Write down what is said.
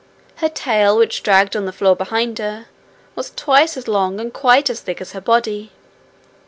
Her tail, which dragged on the floor behind her, was twice as long and quite as thick as her body.